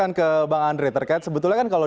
hak kreativitas kan selalu